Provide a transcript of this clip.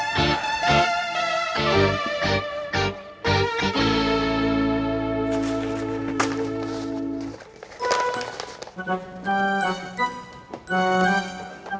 tadi gambarnya masih peta pak